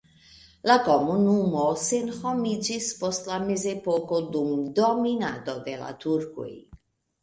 La komunumo senhomiĝis post la mezepoko dum dominado de la turkoj.